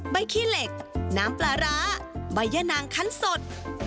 ขี้เหล็กน้ำปลาร้าใบยะนางคันสด